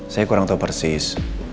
saya kurang tau persis